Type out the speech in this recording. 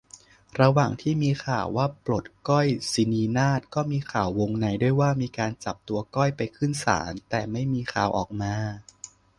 ระหว่างที่มีข่าวว่าปลด ก้อย สินีนาฏ ก็มีข่าววงในด้วยว่า มีการจับตัวก้อยไปขึ้นศาล แต่ไม่มีข่าวออกมา